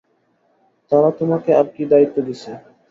তারা তোমাকে আর কী দায়িত্ব দিছে?